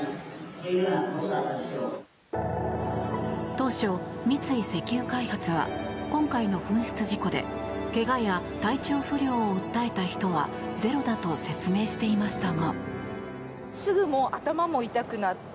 当初、三井石油開発は今回の噴出事故で怪我や体調不良を訴えた人はゼロだと説明していましたが。